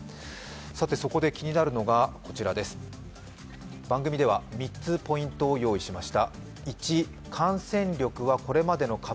そこで気になるのが番組では３つポイントを用意しました。